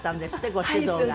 ご指導が。